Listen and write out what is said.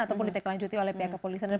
ataupun ditiklanjuti oleh pihak kepolisian